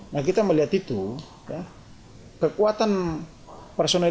nah kita melihat itu ya